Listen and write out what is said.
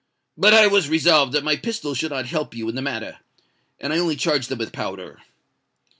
But I was resolved that my pistols should not help you in the matter; and I only charged them with powder.